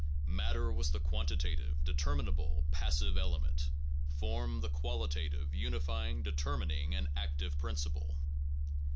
Matter was the quantitative, determinable, passive element; form, the qualitative, unifying, determining, and active principle.